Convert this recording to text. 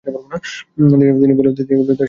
তিনি বললেন, সে আমার বোন।